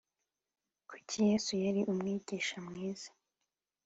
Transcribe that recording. kuki yesu yari umwigisha mwiza